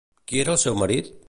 Qui era el seu marit?